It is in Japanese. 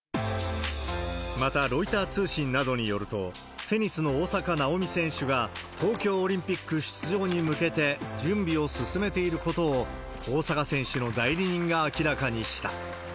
また、ロイター通信などによると、テニスの大坂なおみ選手が東京オリンピック出場に向けて準備を進めていることを、大坂選手の代理人が明らかにした。